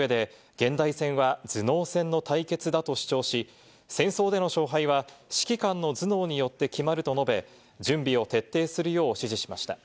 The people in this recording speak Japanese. その上で、現代戦は頭脳戦の対決だと主張し、戦争での勝敗は指揮官の頭脳によって決まると述べ、準備を徹底するよう指示しました。